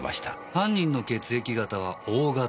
犯人の血液型はＯ型。